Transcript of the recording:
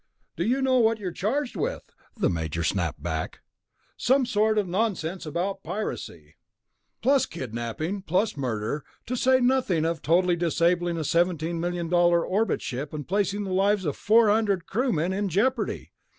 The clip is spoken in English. "Do you know what you're charged with?" the Major snapped back. "Some sort of nonsense about piracy...." "Plus kidnapping. Plus murder. To say nothing of totally disabling a seventeen million dollar orbit ship and placing the lives of four hundred crewmen in jeopardy."